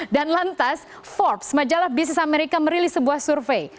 dan lantas forbes majalah bisnis amerika merilis sebuah survei